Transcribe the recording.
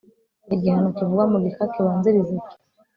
igihano kivugwa mu gika kibanziriza iki